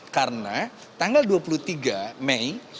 karena tanggal dua puluh tiga mei